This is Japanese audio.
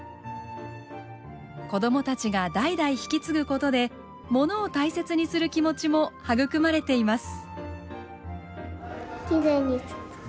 子供たちが代々引き継ぐことでものを大切にする気持ちも育まれています。